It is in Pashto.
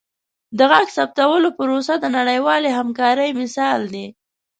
د غږ ثبتولو پروسه د نړیوالې همکارۍ مثال دی.